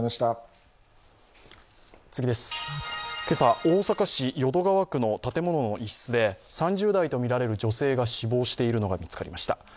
今朝、大阪市淀川区の建物の一室で３０代とみられる女性が死亡しているのが見つかりました。